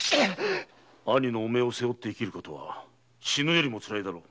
兄の汚名を背負って生きることは死ぬよりも辛いだろう。